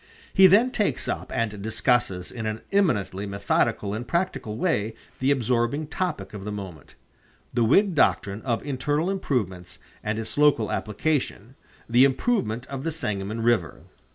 He then takes up and discusses in an eminently methodical and practical way the absorbing topic of the moment the Whig doctrine of internal improvements and its local application, the improvement of the Sangamon River.